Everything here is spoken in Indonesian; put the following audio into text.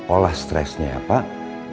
olah stresnya ya pak